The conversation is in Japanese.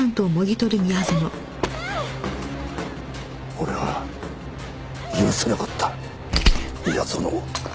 俺は許せなかった宮園を。